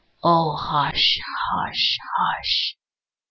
O hush, hush, hush!